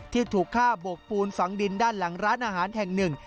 ที่ถูกฆ่าโบกปูนฝังดินด้านหลังร้านอาหารแห่งหนึ่ง